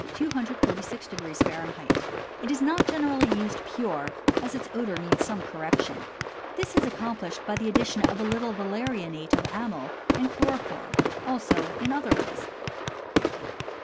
(246° F.). It is not generally used pure, as its odor needs some correction. This is accomplished by the addition of a little valerianate of amyl, and chloroform. Also in other ways.